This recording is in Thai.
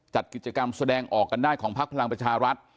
จัดกิจกรรมแสดงออกกันได้ของพักพลังประชารัฐ